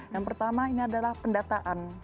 yang pertama ini adalah pendataan